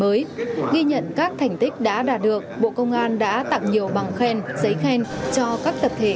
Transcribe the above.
mới ghi nhận các thành tích đã đạt được bộ công an đã tặng nhiều bằng khen giấy khen cho các tập thể